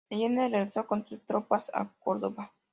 Allende regresó con sus tropas a Córdoba.